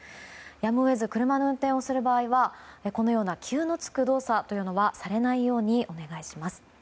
やむを得ず車の運転をする場合は「急」のつく動作というのはされないようにお願いします。